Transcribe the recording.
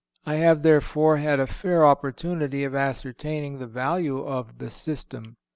I have, therefore, had a fair opportunity of ascertaining the value of the "system."